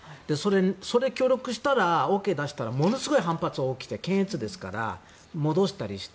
それに協力したらＯＫ出したらものすごい反発が起きて検閲ですから戻したりして。